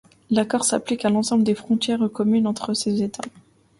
L'accord s'applique à l'ensemble des frontières communes entre ces États.